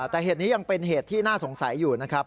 แต่เหตุนี้ยังเป็นเหตุที่น่าสงสัยอยู่นะครับ